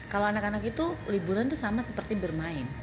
kalau anak anak itu liburan itu sama seperti bermain